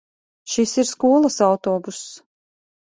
Šis ir skolas autobuss.